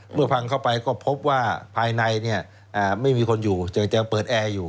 เมื่อพังเข้าไปก็พบว่าภายในนี้ไม่มีคนอยู่เจนเจี๊ยวเปิดแอร์อยู่